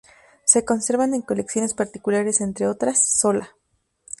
Se conservan en colecciones particulares, entre otras, “"¡Sola!